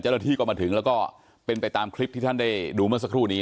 เจ้าหน้าที่ก็มาถึงแล้วก็เป็นไปตามคลิปที่ท่านได้ดูเมื่อสักครู่นี้